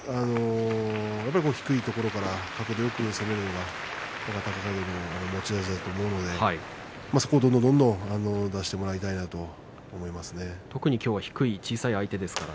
低いところから攻めるのが若隆景の持ち味だと思いますのでそこを出してもらいたいと思います。